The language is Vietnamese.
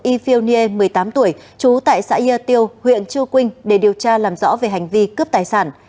y phil nghê một mươi tám tuổi trú tại xã yer tiêu huyện chư quynh để điều tra làm rõ về hành vi cướp tài sản